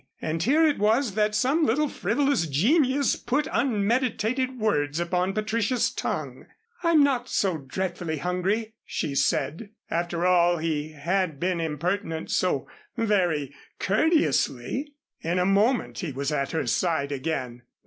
And here it was that some little frivolous genius put unmeditated words upon Patricia's tongue. "I'm not so dreadfully hungry," she said. After all, he had been impertinent so very courteously. In a moment he was at her side again.